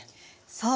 そう。